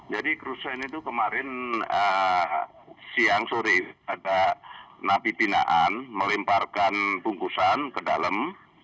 jadi kerusuhan ini itu kemarin siang sore ada napi pinaan melimparkan bungkusan ke dalam